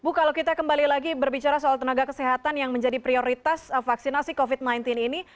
bu kalau kita kembali lagi berbicara soal tenaga kesehatan yang menjadi prioritas vaksinasi covid sembilan belas ini